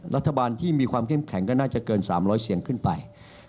รัฐบาลที่มีความเข้มแข็งก็น่าจะเกิน๓๐๐เสียงขึ้นไป